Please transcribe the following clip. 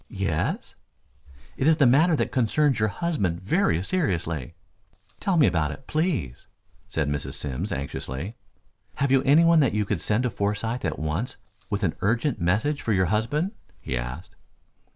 "Yes?" "It is a matter that concerns your husband very seriously." "Tell me about it, please?" said Mrs. Simms anxiously. "Have you anyone that you could send to Forsythe at once with an urgent message for your husband?" he asked.